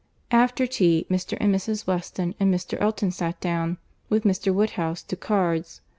After tea, Mr. and Mrs. Weston, and Mr. Elton sat down with Mr. Woodhouse to cards.